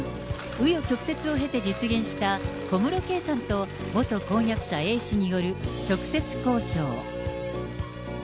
紆余曲折を経て実現した小室圭さんと、元婚約者Ａ氏による直接交渉。